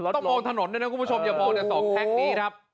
ต้องมองถนนด้วยนะคุณผู้ชมอย่ามองแถวนี้ครับ